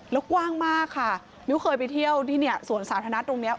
แล้วกว้างมากค่ะมิ้วเคยไปเที่ยวที่เนี่ยสวนสาธารณะตรงนี้